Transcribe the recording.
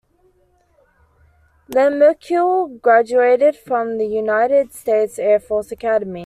Lehmkuhl graduated from the United States Air Force Academy.